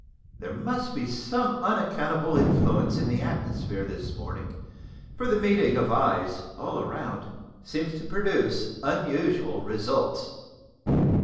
There must be some unaccountable influence in the atmosphere this morning, for the meeting of eyes, all round, seems to produce unusual results!